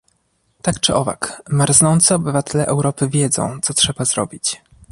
Tak czy owak, marznący obywatele Europy wiedzą, co trzeba zrobić